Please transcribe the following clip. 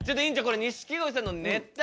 この錦鯉さんのネタ